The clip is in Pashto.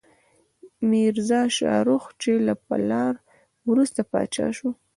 میرزا شاهرخ، چې له پلار وروسته پاچا شو.